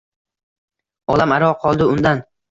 Olam aro qoldi undan